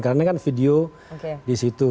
karena kan video di situ